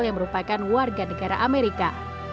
yang merupakan warga negara amerika